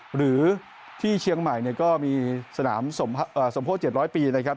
หรือที่เชียงใหม่เนี่ยก็มีสนามสมโพธิ๗๐๐ปีนะครับ